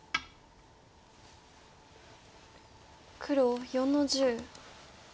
黒４の十。